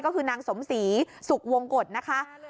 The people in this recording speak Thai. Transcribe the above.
ก็คือนางสมศรีสุขวงกฎนะคะ